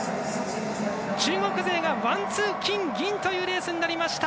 中国勢がワンツー金、銀というレースになりました。